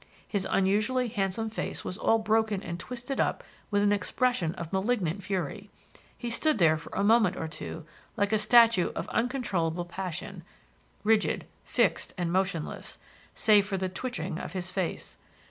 His unusually handsome face was all broken and twisted up with an expression of malignant fury. He stood there for a moment or two like a statue of uncontrollable passion, rigid, fixed, and motionless, save for the twitching of his face.